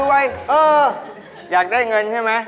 เอออยากได้เงินใช่ไหม